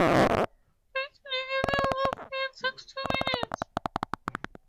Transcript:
Lighting any other fire takes two minutes.